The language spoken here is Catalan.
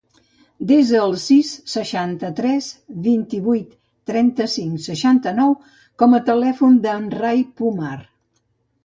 Desa el sis, seixanta-tres, vint-i-vuit, trenta-cinc, seixanta-nou com a telèfon del Rai Pumar.